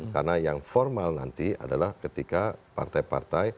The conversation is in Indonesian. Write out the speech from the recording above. karena yang formal nanti adalah ketika partai partai